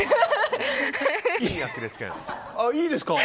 いいです。